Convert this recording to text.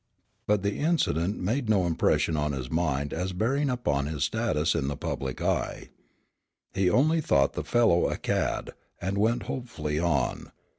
But the incident made no impression on his mind as bearing upon his status in the public eye. He only thought the fellow a cad, and went hopefully on.